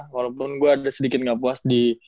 walaupun gue ada sedikit gak puas